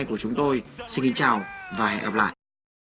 và hẹn gặp lại